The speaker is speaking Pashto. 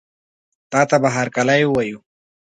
تاته به هرکلی ووایو.